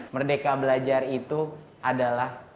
merdeka belajar itu adalah